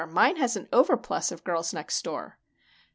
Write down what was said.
Mine has an over plus of Girls Next Door."